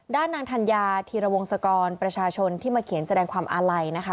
ด้านนางธัญญาธีรวงศกรประชาชนที่มาเขียนแสดงความอาลัยนะคะ